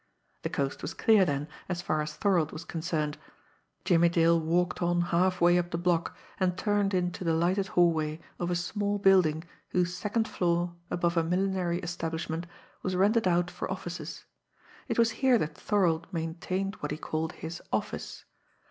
The coast was clear then, as far as Thorold was concerned. Jimmie Dale walked on halfway up the block, and turned into the lighted hallway of a small building whose second floor, above a millinery establishment, was rented out for offices. It was here that Thorold maintained what he called his "office."